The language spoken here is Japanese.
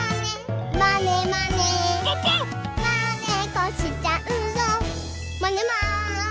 「まねっこしちゃうぞまねまねぽん！」